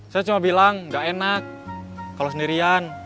saya cuma bilang gak enak kalau sendirian